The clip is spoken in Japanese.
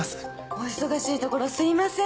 お忙しいところすみません。